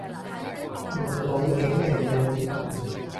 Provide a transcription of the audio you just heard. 我舞影零亂。